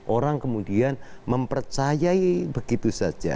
orang kemudian mempercayai begitu saja